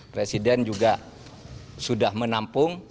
presiden juga sudah menampung